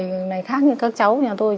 người này khác như các cháu nhà tôi